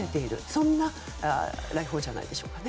そんな来訪じゃないでしょうか。